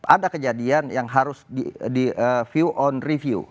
ada kejadian yang harus di view on review